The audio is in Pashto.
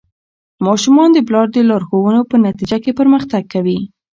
ماشومان د پلار د لارښوونو په نتیجه کې پرمختګ کوي.